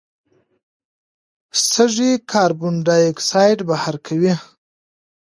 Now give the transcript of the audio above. سږي کاربن ډای اکساید بهر کوي.